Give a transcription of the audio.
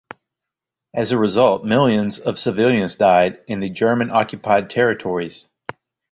As a result, millions of civilians died in the German-occupied territories.